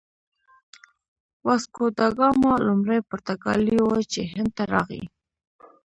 واسکوداګاما لومړی پرتګالی و چې هند ته راغی.